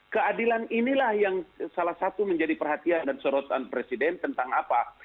keadilan inilah yang salah satu menjadi perhatian dan sorotan presiden tentang apa